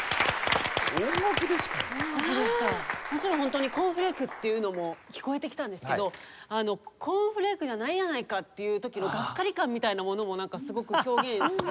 もちろんホントにコーンフレークっていうのも聞こえてきたんですけどあの「コーンフレークじゃないやないか」っていう時のがっかり感みたいなものもなんかすごく表現されてた気がして。